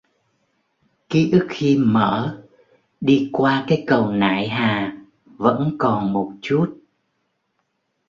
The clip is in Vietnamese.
Ký ức khi mở đi qua cái cầu Nại Hà vẫn còn một chút